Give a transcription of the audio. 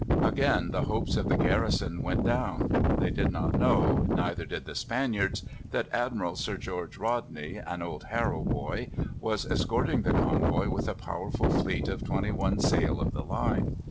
Again the hopes of the garrison went down. They did not know, neither did the Spaniards, that Admiral Sir George Rodney, an old Harrow boy, was escorting the convoy with a powerful fleet of twenty one sail of the line.